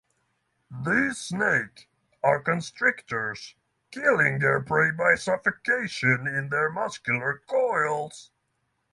These snake are constrictors, killing their prey by suffocation in their muscular coils.